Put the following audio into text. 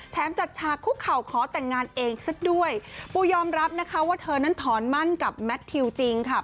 จัดฉากคุกเข่าขอแต่งงานเองสักด้วยปูยอมรับนะคะว่าเธอนั้นถอนมั่นกับแมททิวจริงค่ะ